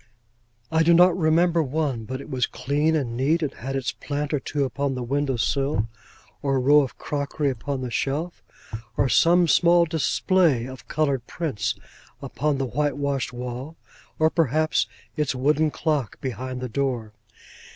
I do not remember one but it was clean and neat, and had its plant or two upon the window sill, or row of crockery upon the shelf, or small display of coloured prints upon the whitewashed wall, or, perhaps, its wooden clock behind the door.